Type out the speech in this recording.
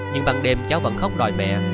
nhưng bằng đêm cháu vẫn khóc đòi mẹ